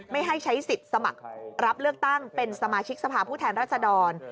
ไม่ให้ใช้สิทธิ์สมัครรับเลือกตั้งเป็นสมาชิกสภาพผู้แทนรัศดร